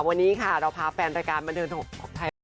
วันนี้ค่ะเราพาแฟนรายการมาเดินทางไทย